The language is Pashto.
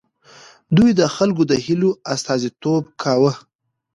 دوی د خلکو د هیلو استازیتوب کاوه.